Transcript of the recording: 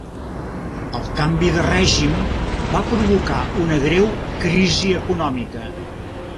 El canvi de règim va provocar una greu crisi econòmica.